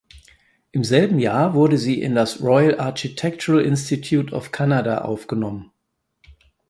Im selben Jahr wurde sie in das Royal Architectural Institute of Canada aufgenommen.